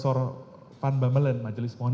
kalau menurut profesor pambamberleng majelis mohon ijin